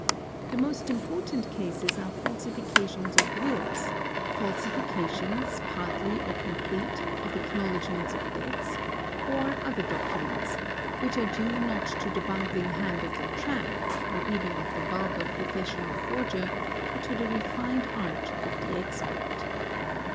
The most important cases are falsifications of wills, falsifications, partial or complete, of acknowledge ments of debts or other documents, which are due not to the bungling hand of the tramp or even of the vulgar professional forger, but to the refined art of the expert.